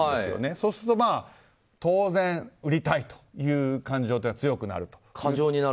そうすると当然、売りたいという感情が強くなると。